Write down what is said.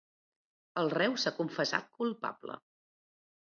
El reu s'ha confessat culpable.